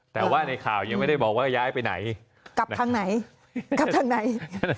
แต่ว่าในข่าวยังไม่ได้บอกว่าย้ายไปไหนกลับทางไหนกลับทางไหน